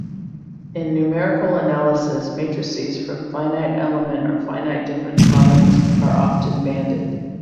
In numerical analysis, matrices from finite element or finite difference problems are often banded.